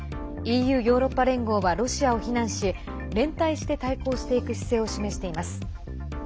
ＥＵ＝ヨーロッパ連合はロシアを非難し連帯して対抗していく姿勢を示しています。